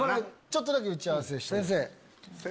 ちょっとだけ打ち合わせして。